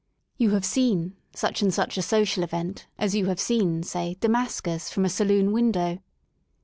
You have '* seen " such and such a social event as you have seen, say, Damascus J from a saloon window.